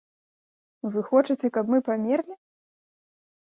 Вы хочаце, каб мы памерлі?!